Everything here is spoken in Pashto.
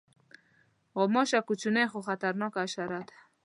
غوماشه کوچنۍ خو خطرناکه حشره ده.